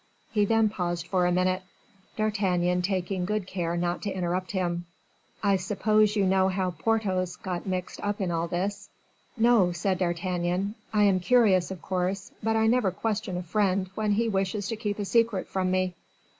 He then paused for a minute, D'Artagnan taking good care not to interrupt him. "I suppose you know how Porthos got mixed up in all this?" "No," said D'Artagnan; "I am curious, of course, but I never question a friend when he wishes to keep a secret from me."